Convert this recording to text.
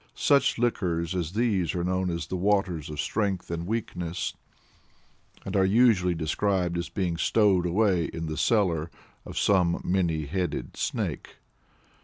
Such liquors as these are known as the "Waters of Strength and Weakness," and are usually described as being stowed away in the cellar of some many headed Snake.